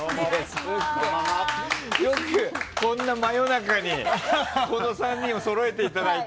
よくこんな真夜中にこの３人をそろえていただいて。